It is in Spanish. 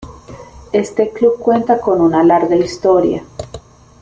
Este club cuenta con una larga historia.